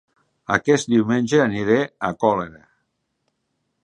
Aquest diumenge aniré a Colera